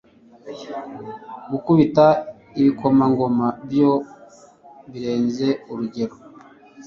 gukubita ibikomangoma, byo birenze urugero